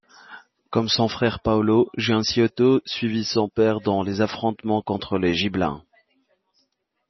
Comme son frère Paolo, Gianciotto suivit son père dans les affrontements contre les gibelins.